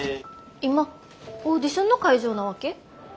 今オーディションの会場なわけ？